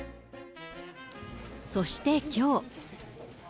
そしてきょう。